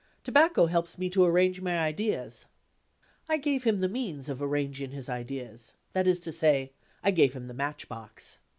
"Tobacco helps me to arrange my ideas." I gave him the means of arranging his ideas; that is to say, I gave him the match box.